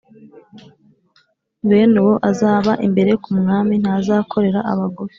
bene uwo azaba imbere ku mwami, ntazakorera abagufi